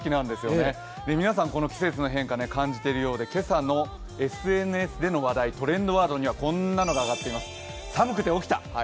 皆さん、この季節の変化、感じているようで今朝のＳＮＳでの話題、トレンドワードにはこんなのが上がっています寒くて起きた。